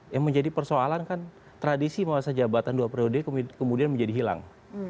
yang menjadi persoalan kan tradisi masa jabatan dua periode kemudian menjadi hilang